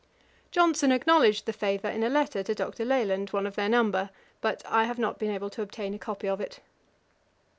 Johnson acknowledged the favour in a letter to Dr. Leland, one of their number; but I have not been able to obtain a copy of it.